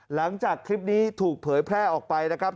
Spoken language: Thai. หลังจากคลิปนี้ถูกเผยแพร่ออกไปนะครับ